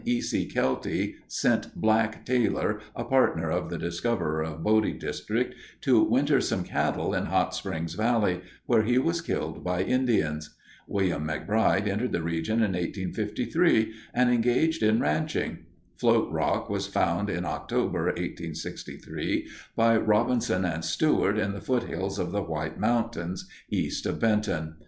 C. Kelty sent "Black" Taylor, a partner of the discoverer of Bodie District, to winter some cattle in Hot Springs Valley, where he was killed by Indians. William McBride entered the region in 1853 and engaged in ranching. Float rock was found in October, 1863, by Robinson and Stuart in the foothills of the White Mountains, east of Benton.